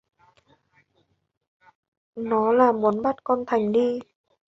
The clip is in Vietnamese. Nó là muốn bắt con Thành đi